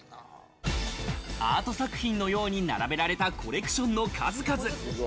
アート作品のように並べられたコレクションの数々。